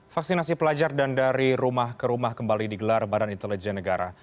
vaksinasi pelajar dan dari rumah ke rumah kembali digelar badan intelijen negara